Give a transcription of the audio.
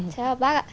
chào bác ạ